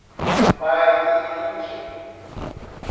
Mairinque